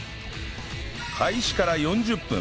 開始から４０分